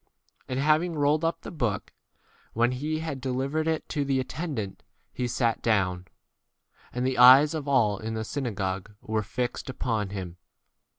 And having rolled up the book, when he had deli vered it to the attendant, he sat down ; and the eyes of all in the synagogue were fixed upon him.